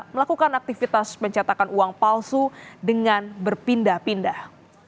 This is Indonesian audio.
melakukan aktivitas pencetakan uang palsu dengan berpindah pindah